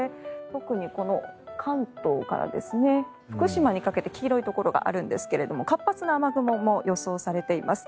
特に関東から福島にかけて黄色いところがあるんですが活発な雨雲も予想されています。